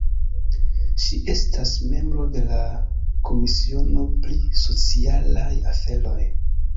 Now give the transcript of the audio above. Ŝi estas membro de la komisiono pri socialaj aferoj.